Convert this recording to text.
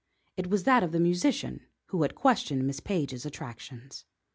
It was that of the musician who had questioned Miss Page's attractions.